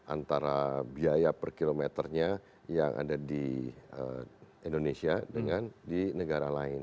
antara biaya per kilometernya yang ada di indonesia dengan di negara lain